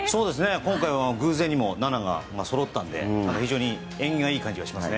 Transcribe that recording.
今回は偶然にも７がそろったんで非常に縁起がいい感じがしますね。